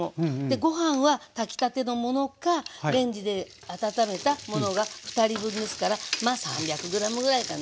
ご飯は炊きたてのものかレンジで温めたものが２人分ですからまあ３００ｇぐらいかな。